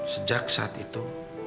sejak saat itu